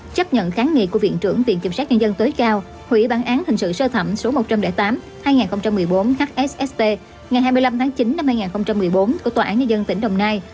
chấp nhận kháng nghị của viện trưởng viện kiểm sát nhân dân tối cao hủy bản án hình sự sơ thẩm số một trăm linh tám hai nghìn một mươi bốn hsst ngày hai mươi năm tháng chín năm hai nghìn một mươi bốn của tòa án nhân dân tỉnh đồng nai